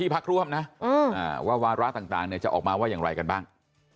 ภาระต่างจะออกมาว่าอย่างไรกันบ้าง